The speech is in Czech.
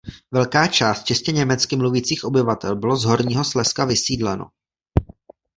Velká část čistě německy mluvících obyvatel bylo z Horního Slezska vysídleno.